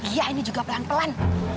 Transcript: iya ini juga pelan pelan